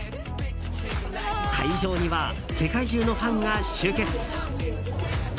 会場には世界中のファンが集結。